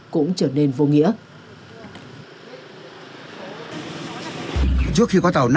cũng trở nên vô nghĩa